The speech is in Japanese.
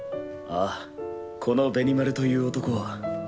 ああ、このベニマルという男